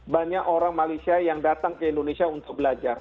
banyak orang malaysia yang datang ke indonesia untuk belajar